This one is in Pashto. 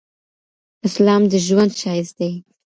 اسلام د ږوند شایست دي